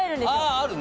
ああるね